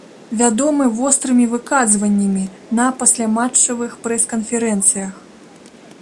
Вядомы вострымі выказваннямі на пасляматчавых прэс-канферэнцыях.